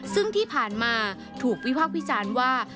ซึ่งที่ผ่านมาถูกวิพากษ์วิจารณ์ว่า